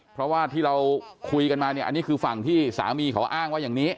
เพราะว่าที่เราคุยกันมาเนี่ยอันนี้คือฝั่งที่สามีเขาอ้างว่าอย่างนี้